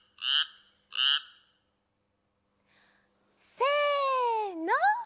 せの。